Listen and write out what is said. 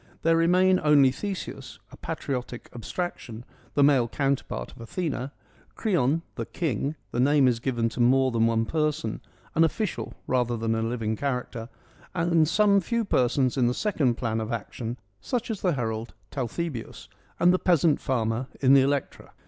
There remain only Theseus, a patriotic abstraction, the male counterpart of Athena; Creon, ' the King '— the name is given to more than one person — an official rather than a living character ; and some few persons in the second plan of action : such as the herald Talthybius and the peasant farmer in the Electra.